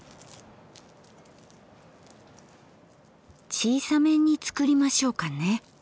小さめにつくりましょうかね。